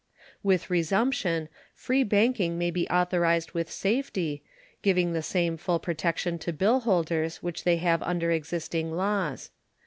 With resumption, free banking may be authorized with safety, giving the same full protection to bill holders which they have under existing laws.